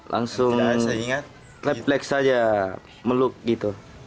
langsung repleks saja meluk gitu